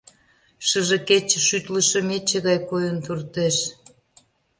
Шыже кече шӱтлышӧ мече гай койын туртеш.